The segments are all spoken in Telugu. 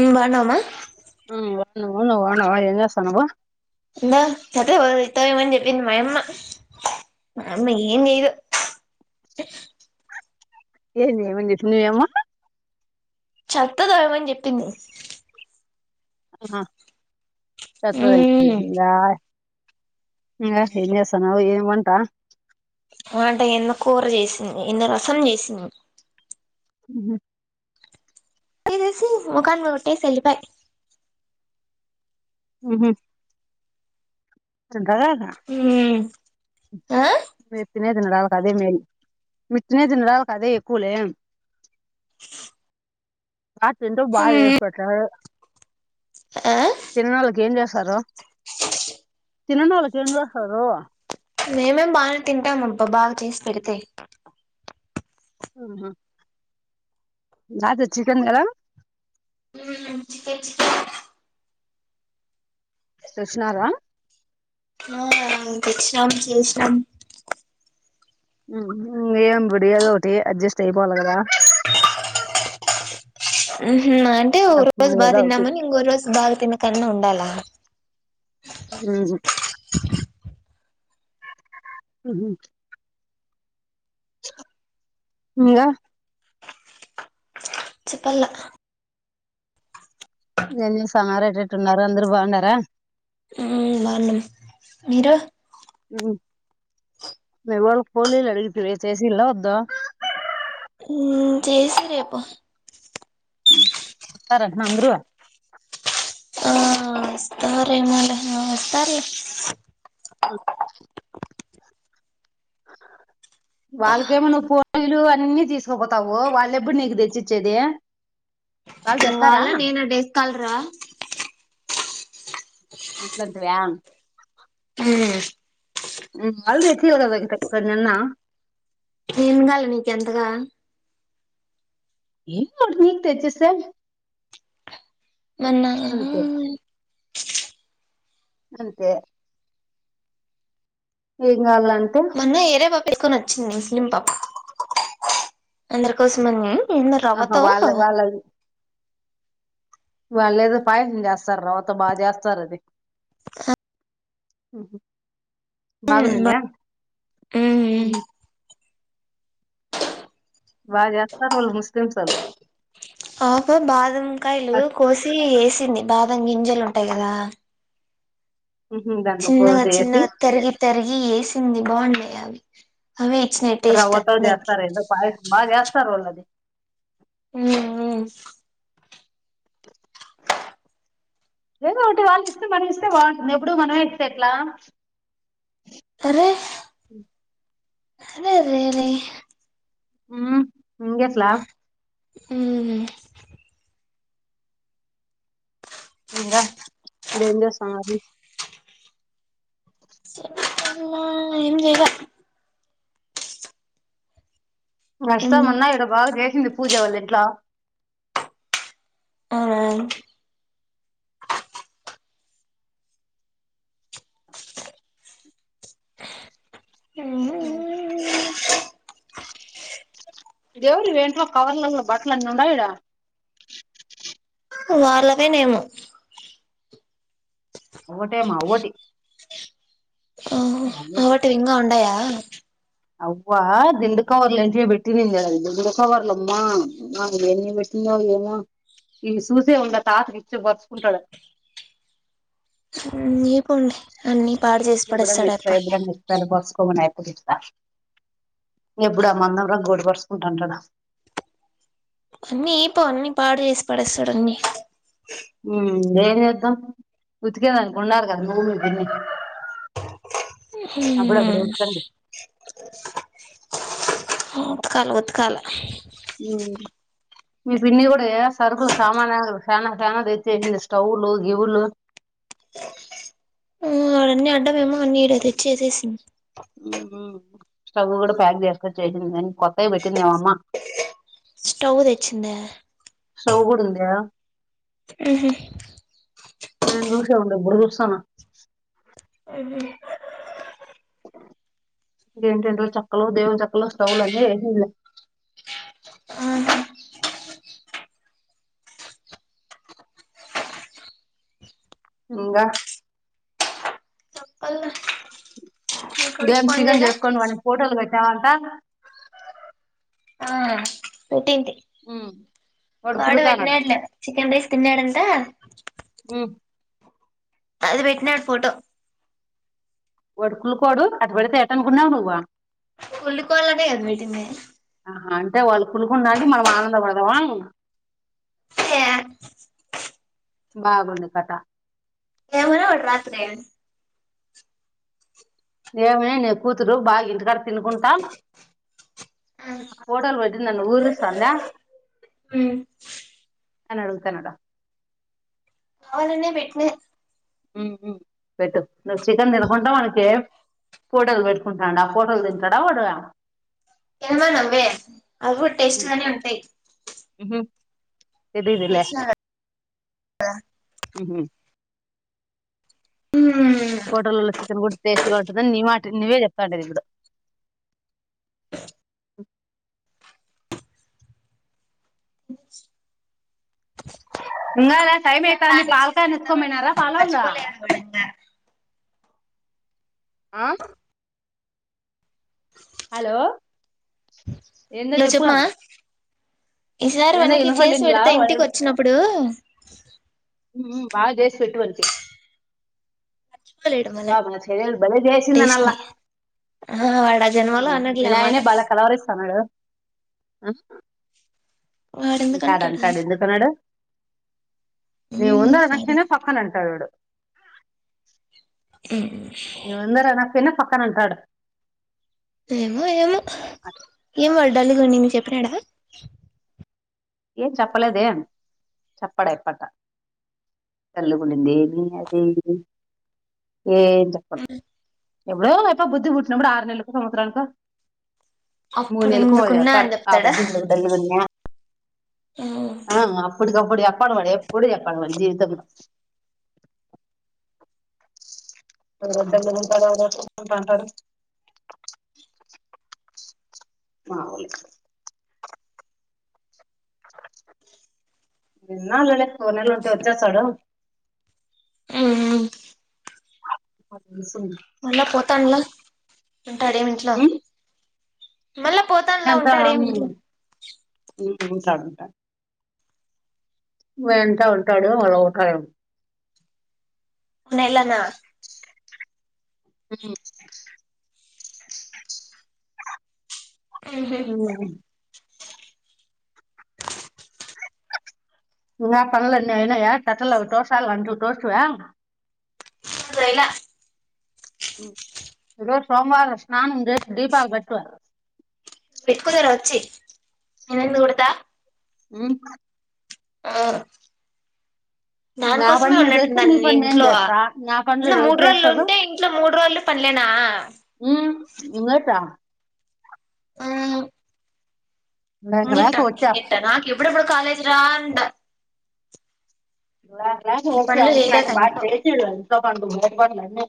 ఉమ్ బావున్నావ [unintelligible] ఏం చేస్తున్నావు ఇంద చత్తె బ ఇస్తావేమని చెప్పింది మాయమ్మ మా అమ్మ ఏం చేయదు ఏంచేయని అని చెప్పిందా మీ అమ్మ చెత్త దామని చెప్పింది అఆ చత్త ఉమ్ [unintelligible] ఏమ చేసనావ్ ఏం అంటా అంటే యన్న కూర చేసింది ఎందో రసం చేసింది ఉహు వేసి ముఖన్ కొట్టేసి ఉళ్లిిపాయ్ ఊహు ఉంటదా ద ఆయ్ మిత్తనే దినరాలు కదే మే మిత్తనే దినరాలు కాదే కూలే బా తింటే బా ఉమ్ [unintelligible] ఆ తన్నోళ్ళకి ఏం చేస్తారు తిననొలకి ఏం చేస్తరు మేమె బానే తింటాము అబ్బా బాగ చేసి పెడితే ఆహ రాత్రి చికెన్ గద చికేన్ చికెన్ సూసినార ఆ తెచ్చినాం చేసినాం ఏం ఒడియాలు ఒకటి అడ్జస్ట్ అయిపోవాలె కదా ఊహు అంటే ఒక రసము రోజు బా ఏదో ఒకటి తిన్నామని ఇంకొ రోజు బాగ తినకన్నా ఉండాల [inaudible] ఉహు నికా చెప్పలా ఏం చేస్తున్నారు ఎట్టెట్టున్నరు అందరు బాగున్నారా హమ్ బాగున్నం మీరు ఉ మీవలకి పోలీలు అడిగితివి చేసిలా వద్ద హుమ్ చేసియ్ రేపు వస్తరంట్న అంద్రు ఆ వస్తారేమోలే వస్తార్ లే వాళ్ళకేమన్నా పోలీలు అన్నీ తీసుకపోతావు వాళ్ళెప్పుడు నీకు తెచ్చిచ్చేది వాళ్ళు తెస్తారా వాల నేనా డేస్ కాల్ రా అట్లాంటివా హుమ్ హు ఆల్ తె [unintelligible] ఒక్కడ్నన్న ఏంగాలి నీకెంతగా [unintelligible] నీకు తెచ్చిసార్ మన్నా అంతే ఎన్ గాల్ల మన్న ఏరే పాప ఎత్తుకొని వచ్చింది నింప అందరి కోసమనిమ్ ఏందో రవ్వతో వాళ్లేదో పాయసం చేస్తారు. రవ్వతో బాగా చేస్తారు. అది హు హ్ బాగునిందా మ్మ్ ఉహ్మ్ బాగా చేస్తారు వాళ్ళు ముస్లిమ్స్ వళ్ళు ఆఫం బాదంకాయలు కోసి వేస్ చ్చింది బాదం గింజలు ఉంటాయి కదా దాంట్లో చిన్నగ పోసేసి చిన్నగ తరిగిప్ తరిగి వేసింది బాగుండాయి అవి అవే ఇచ్చినాయి టేస్ట్ రవ్వతో దానికి జేస్తారు ఏందో పాయసమ జేస్ తరోల్లది మ్మ్ లేదో ఒకటి వాళ్ళు ఇస్తే మనం ఇస్తే బాగుంటుంది. ఎప్పుడు మనమే ఇస్తే ఎట్లా అరే అరే రే రే రే హుమ్ ఇంగ్లీశ్లా ఏమని ఇంగ మీ ఊర్లో సంగతి అమ్మా ఏం చేయ్లా ఏం వర్షం మొన్న ఈడ బాగ జేసింది పూజ వాలింట్లా అవునా ఉ దేవుడివి ఏంటో కవర్లలో బట్లన్నీ ఉండయిడ వాళ్ళవేనేమో ఓగటేన ఒగటి ఏటి ఇంగ ఉండాయ అవ్వా దిండు కవర్లు ఇంటి పెట్టినంది దిండు కవర్లమ్మా ఏన్ని పెట్టిన ఏమో ఇవి చూసే ఉండ్ల తాతకి ఇచ్చి పరుచుకుంటాడు తిన్లే ఎప్పుడన్న ఇస్తా ఎప్పుడన్న ఇస్తా కోసుకోమను అయ్ [unintelligible] ఇత్త ఎప్పుడూ ఆ మందం రగ్గు ఓటి పరుసుకుంటాంటాడు అన్ని ఈపో అన్ని పాడు చేసి పడేస్తాడు అన్ని హుమ్ వేరే అక్కా ఉతికేదకున్నారుగా నువ్వు మీ తమ్ముడు హునా ఉత్కల ఉత్కల మ్మ్ మీ పిన్ని కూడా ఏ సరుకులు సామాన్య ఫ్యాన్ ఫ్యాన్ తెచ్చేసింది స్టవ్లు గివులు అ అన్ని అడ్డంమేమో అన్ని ఇ తెచ్చి ఏసేసింది స్టవ్ కూడా ప్యాక్ చేసుకొచ్చేసింది అన్ని కొత్తవి పెట్టిందేమో మా స్టవ్ తెచ్చింద్య స్టవు కూడా ఉంది కదా మ్మ్ హు నేను చూసే ఉండ్ల ఇప్పుడు చూస్సాన మ్మ్ హు ఎంటీవెంటివో చెక్కలు దేవుని చెక్కలు స్టవులు అన్ని ఏసింది ఇంగ చెప్పాలా నీ కొడుకు రేపు ఫోన్ చికెన్ చేయలే చేసుకోని వాడి ఫోటోలు పెట్టామంటే ఆ పెట్టింటి మ్మ్ వాడు పెట్టినాడులే చికెన్ రైస్ తిన్నాడంట అది పెట్టినాడు ఫోటో వాడు కుళ్ళుకోడు అటు పడితే ఏటనుకున్నావు నువ్వు కుళ్ళుకోళ్ళనే కదా పెట్టింది ఆహా అంటే వాళ్ళు కులుకున్నంము మనం ఆనందపడదామా హ బాగున్న కటా ట రాత్రి అ దేవ న కూతురు బాల్ గ తినుకుంటాం నా కోడలు వ నన్న ఊరు సాలా హ కనడ కనడ కావాలనే పెట్నా పెట్టు ను్ చికెన్ తినకుంటా మనకి ఫోటోలు పెట్టుకుంటాం ఆ ఫోటోలు తింటాడా వాడు ఏమా నవ్వే అవి కూడా టేస్ట్ గానే ఉంటాయి ఇదిదలే చేసిన హ హోటల్లో చికెన్ గు టేస్ట్గా ఉంటుందని నీ మాట నీవే చెప్రంది ఇప్పుడు ఇన్న స్ వాడికి పచ్చిపోలే విడంగా ఆ హలో ఏందో చెప్పు ఇసారి ఏందో వనకి చేసి వినపడిందిలా పెడతా ఇంటికి వచ్చినప్పుడు బాగా దసి పెట్టు వరికే మర్చిపోలేడు మళ్ళీ బా మ చెరలు బలే టేస్ట్ చేసిందనల ని ఆ వాడు ఆ జన్మలో అనడులే ఆ మాట వినాయణే బాళ కలవరిస్తాన్నాడు అస్ వాడు అంటాడు ఎందుకంటాడు అంటాడు ఎందుకున్నాడు నవ ఉమ్ ఉంద వాడు అక్ష పక్కన న డు అ పన్న పక్కన అంటాడు ఏమో ఏమో ఏం పడి డలుగ నిను చెప్పినాడా ఏం చెప్పలేదే చెప్పడా ఎప్పట తల్లికునింది ఏం చెప్పండి ఎవ ఎప్ప బుధి బూట్టినప్పు ఆరు నలలు సంవత్సరనికి మూడు అప్పుడు నెలకు ఇందుకున్నా వాళ్ళొత్తారు అని చెప్తాడా [inaudible] ఆ అప్పుటికప్పుడు చెప్పడు వాడు ఎప్పుడూ చెప్పడు వాడి జీవితంలో [unintelligible] నెల ఉంటే వచ్చేస్తాడు ఊ మాకు తెలుస్తుంది మళ్ళా పోతాండ్లా ఉంటాడేం ఇంట్లో ఉం? మళ్ళా పోతాండ్లా ఉంటాడేం ఇంట్లో ఊ ఉంటా ఉంటా [unintelligible] ఉంటే ఉంటాడు [unintelligible] నెలనా ఊ ఊహూ ఇంగా పనులన్నీ ఐనాయా చెత్తలవి తోసాలంటివి తోస్తివా ఇయిలా ఎ సోమవారం స్నానం ఉంచ దీపా గట్టు పెట్టుకుతారా వచ్చి నేను ఎందు కుడతా ఊ ఆ నా పని దానికోసమే నువ్వు చేస్తే ఉన్నట్టుండాలి నీ పని నేను ఇంట్లో చేస్తా నా పనులు ఉన్న ఎవరు మూడు రోజులు చేస్తారు ఉంటే ఇంట్లో మూడు రోజులు పనులేనా ఉటా లేక లేక ఇంగిటా వచ్చా ఇంగిటా నా ఎవడ ఎప్పుడ కాలేజ్ రాంట నా వచ్చ అమ్మ నాకు బా ఇంట్లో పెసిడుు పడుకుందు బయట పడుకోకు లే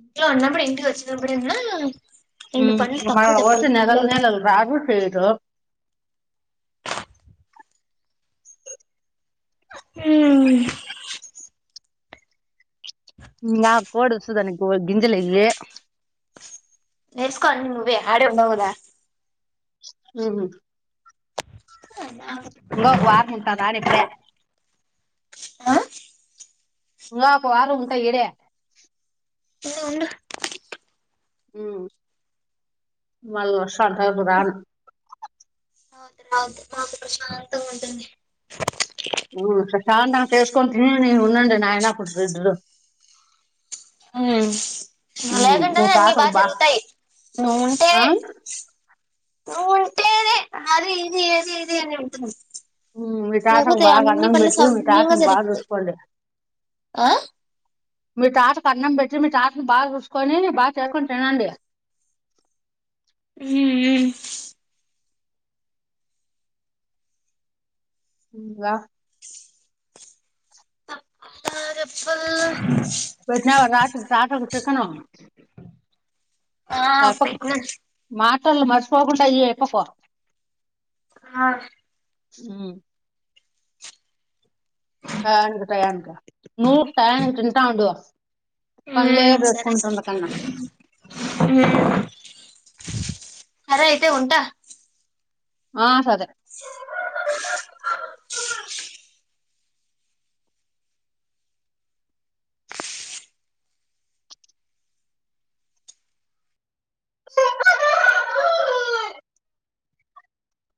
ఇంట్లో ఉన్నప్పుడు ఇంటికి వచ్చిన అప్పుడున్నా మ వచ్చ నెగల్ నల రాజ చేడం ఆ నా కోడు సుధననికి గింజల నెర్స్కండి నువ్వే హడే ఉరోదా అ ఆ ఉంగ వార ఉంటా నా ఇప్పుడే ఆ ఉపో వాళ ఉంట ఇడ ఇం భాలవాసా సంటపుదాన్ అవుదు అవుదు మాకు ప్రశాంతంగా ఉంటుంది ఆ ప్రశాంతంగా చేస్కొ తీ ఉన్నండడి నా ఎలా కుటురుద్రు మీ లేగంటేనే అన్నిీ తాతకు బాగా బా జరుగుతాయి నువ్వు ఉంటే ఆ? ఉంటేదే నే అది ఇది అది ఇది అని ఉంటుంది మీఠాసకు లేకపోతే బాగా అన్ని అన్నం పనులు పెట్టి సవ్యంగా మీఠాసను బాగా జరిగిపోతాయి చూసుకోండి ఆ మీ తాతకు అన్నం పెట్టి మీ తాతని బాగా చూసుకొని బాగా చేసుకుొని తినండి హ్మ్మ్ హ్మ్మ్ వా చెప్పల్ రా రా టకను ఆ పెట్టిన అ మరిచపోకుంటయ ఎప్ప కొర ఆ హ్మ్మ్ అనునికి టయానికి నూరు టయాను తింటూ ఉండు ఆ పని లేదు సరే సరే వేసుకుంటున్న కన్నా సరే అయితే ఉంటా ఆ సరే